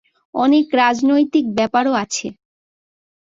অনেক রাজনৈতিক ব্যাপারও আছে।